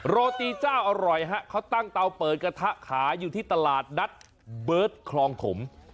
โรตีเจ้าอร่อยฮะเขาตั้งเตาเปิดกระทะขายอยู่ที่ตลาดนัดเบิร์ตคลองถม